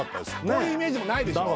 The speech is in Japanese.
こういうイメージもないでしょ